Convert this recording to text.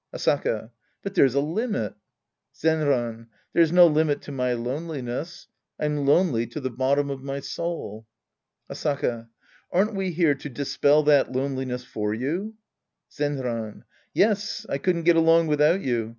Asaka. But there's a limit. Zenran. There's no limit to my loneliness. I'm lonely to the bottom of my soul. Asaka. Aren't we here to dispell that loneliness for you ? Zenran. Yes. I couldn't get along without you.